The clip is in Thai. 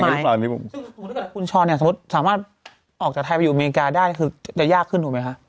สมมุติว่าถ้าคุณช้อนสมมุติสามารถออกจากไทยไปอยู่อเมริกาได้คือจะยากขึ้นถูกไหมคะ